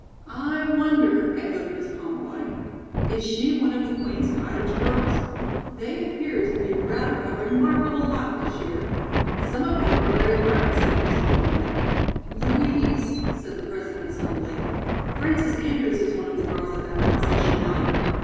"I wonder," echoed Miss Pomeroy. "Is she one of the Queen's Cottage girls? They appear to be rather a remarkable lot this year." "Some of them are very bright," said Miss Pomeroy. "Louise," said the President suddenly, "Frances Andrews is one of the girls at that house, is she not?"